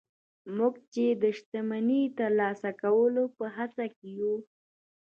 موږ چې د شتمني د ترلاسه کولو په هڅه کې يو.